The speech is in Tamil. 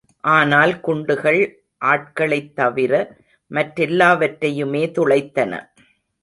ஆனால் குண்டுகள் ஆட்களைத் தவிர மற்றெல்லாவற்றையுமே துளைத்தன.